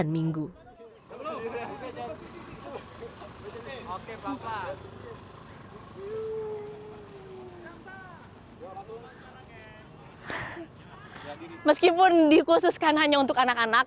meskipun dikhususkan hanya untuk anak anak